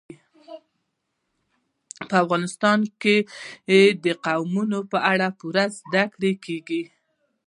په افغانستان کې د قومونه په اړه پوره زده کړه کېږي.